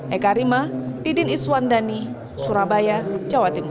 eka rima didin iswandani surabaya jawa timur